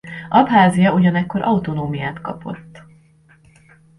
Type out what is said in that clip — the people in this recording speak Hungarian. Abházia ugyanekkor autonómiát kapott.